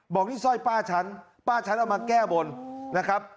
บอกนี่สร้อยป้าฉันป้าฉันเอามาแก้บนนะครับ